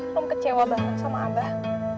long kecewa banget sama abah